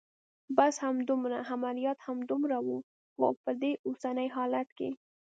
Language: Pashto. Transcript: بس همدومره؟ عملیات همدومره و؟ هو، په دې اوسني حالت کې.